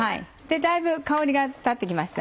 だいぶ香りが立って来ました。